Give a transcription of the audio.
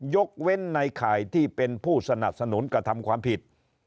ยกเว้นในข่ายที่เป็นผู้สนับสนุนกระทำความผิด